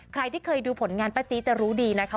ใครที่เคยดูผลงานป้าจี๊จะรู้ดีนะคะ